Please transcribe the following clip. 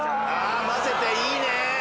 混ぜていいね！